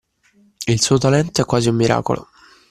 Il suo talento è quasi un miracolo.